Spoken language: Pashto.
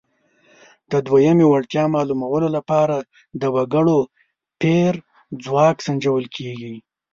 د دویمې وړتیا معلومولو لپاره د وګړو پېر ځواک سنجول کیږي.